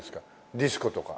ディスコとか。